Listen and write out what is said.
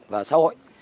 và xã hội